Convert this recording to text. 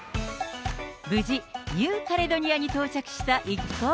無事、ニューカレドニアに到着した一行。